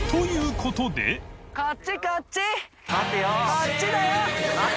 こっちだよ！）早く！））